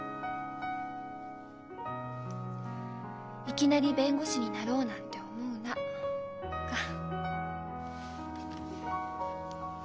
「いきなり弁護士になろうなんて思うな」か。